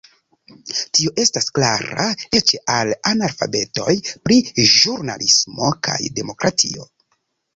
Tio estas klara eĉ al analfabetoj pri ĵurnalismo kaj demokratio.